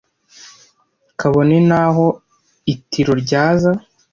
Kabone n’aho Itiro ryaza,